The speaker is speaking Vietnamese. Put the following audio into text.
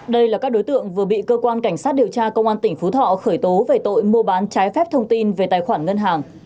đây là các đối tượng vừa bị cơ quan cảnh sát điều tra công an tỉnh phú thọ khởi tố về tội mua bán trái phép thông tin về tài khoản ngân hàng